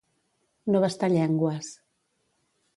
No bastar llengües.